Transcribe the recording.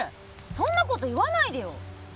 そんなこと言わないでよ！